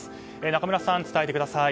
仲村さん、伝えてください。